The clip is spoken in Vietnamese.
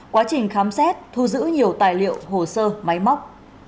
quá trình khám xét thu giữ nhiều tài liệu hồ sơ máy móc